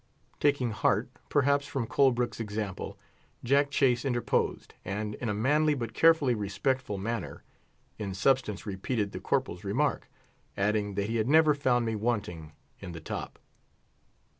Taking heart, perhaps, from Colbrook's example, Jack Chase interposed, and in a manly but carefully respectful manner, in substance repeated the corporal's remark, adding that he had never found me wanting in the top.